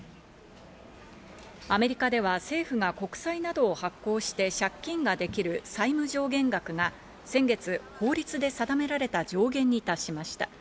アメリカでは政府が国債などを発行して借金ができる債務上限額が先月、法律で定められた上限に達しました。